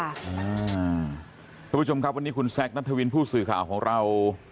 คุณผู้ชมครับวันนี้คุณแซคนัทวินผู้สื่อข่าวของเรา